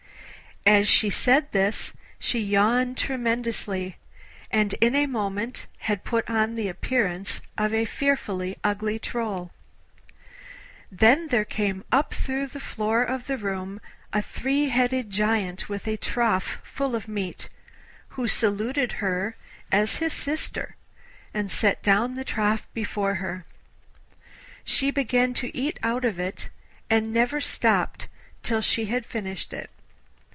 As she said this she yawned tremendously, and in a moment had put on the appearance of a fearfully ugly troll. Then there came up through the floor of the room a three headed Giant with a trough full of meat, who saluted her as his sister and set down the trough before her. She began to eat out of it, and never stopped till she had finished it.